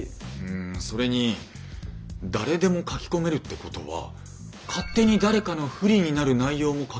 んそれに誰でも書き込めるってことは勝手に誰かの不利になる内容も書けるわけですよね？